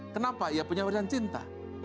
kenapa ia punya warisan cinta